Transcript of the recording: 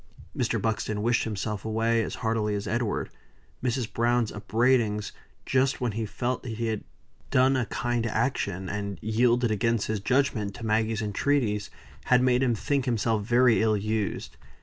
Mr. Buxton wished himself away as heartily as Edward. Mrs. Browne's upbraidings, just when he felt that he had done a kind action, and yielded, against his judgment, to Maggie's entreaties, had made him think himself very ill used.